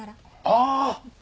ああ。